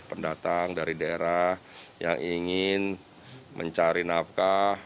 pendatang dari daerah yang ingin mencari nafkah